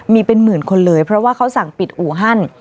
มีเป็นหมื่นคนเลยเพราะว่าเขาสั่งปิดอู่ฮั่น